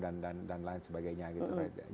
dan lain sebagainya gitu pak dino